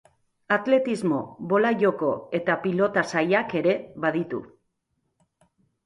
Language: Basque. Atletismo, bola-joko eta pilota sailak ere baditu.